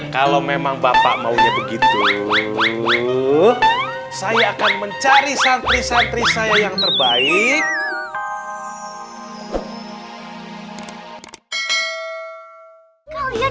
kalau memang bapak maunya begitu saya akan mencari santri santri saya yang terbaik